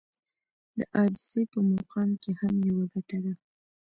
د عاجزي په مقام کې هم يوه ګټه ده.